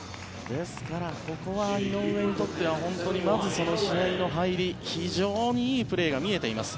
ですからここは井上にとってはまず試合の入り非常にいいプレーが見えています。